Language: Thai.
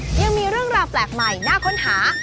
ยังมีเรื่องราวแปลกใหม่น่าค้นหา